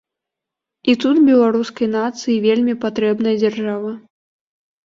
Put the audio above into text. І тут беларускай нацыі вельмі патрэбная дзяржава.